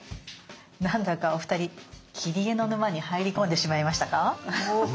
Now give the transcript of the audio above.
なんだかお二人切り絵の沼に入り込んでしまいましたか？